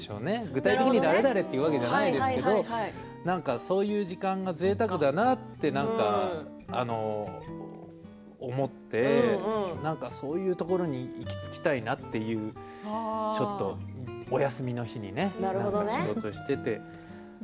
具体的に誰々というわけではないですけれどそういう時間がぜいたくだなって思ってそういうところに行き着きたいなという、ちょっとお休みの日にね仕事していて。